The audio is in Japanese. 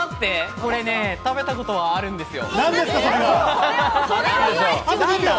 これ食べたことあるんですよ。